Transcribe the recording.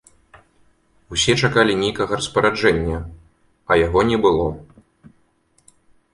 Усе чакалі нейкага распараджэння, а яго не было.